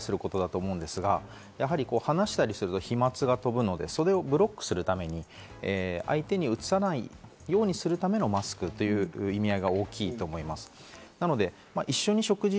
その原則を理解することだと思うんですが、話したりすると飛沫が飛ぶので、それをブロックするために相手にうつさないようにするためのマスクという意味合いが大きいと思います。